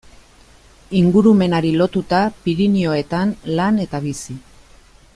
Ingurumenari lotuta Pirinioetan lan eta bizi.